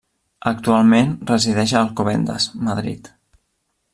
Actualment resideix a Alcobendas, Madrid.